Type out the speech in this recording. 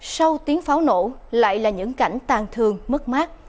sau tiếng pháo nổ lại là những cảnh tàn thương mất mát